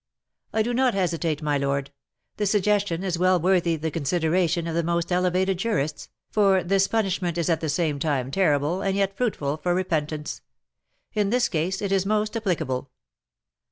"I do not hesitate, my lord; the suggestion is well worthy the consideration of the most elevated jurists, for this punishment is at the same time terrible and yet fruitful for repentance. In this case it is most applicable.